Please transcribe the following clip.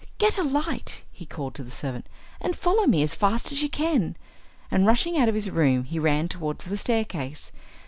"Get a light," he called to the servant, "and follow me as fast as you can!" and rushing out of his room he ran towards the staircase.